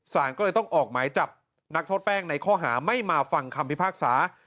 สารก็เลยต้องออกหมายจับนักโทษแป้งในข้อหาไม่มาฟังคำพิพากษา